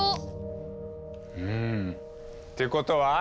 うん。ってことは。